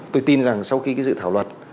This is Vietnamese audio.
tôi tin rằng sau khi dự thảo luật